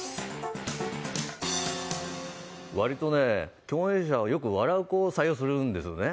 割とね、共演者はよく笑う子を採用するんですね。